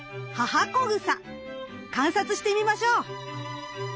観察してみましょう！